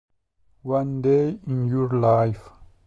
One Day in Your Life